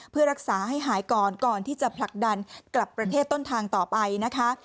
เพื่อรักษาให้หายก่อนก่อนที่จะผลักดันกลับประเทศต้นทางต่อไปนะคะ